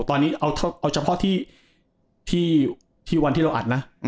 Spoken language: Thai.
ตอนนี้เอาเฉพาะที่วันที่เราอัดนะ